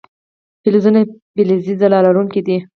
فلزونه فلزي ځلا لرونکي دي.